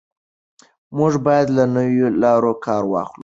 موږ باید له نویو لارو کار واخلو.